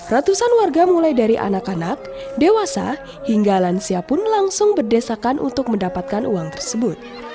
ratusan warga mulai dari anak anak dewasa hingga lansia pun langsung berdesakan untuk mendapatkan uang tersebut